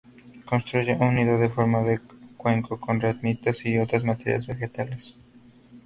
Construye un nido en forma de cuenco con ramitas y otras materias vegetales.